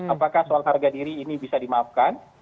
apakah soal harga diri ini bisa dimaafkan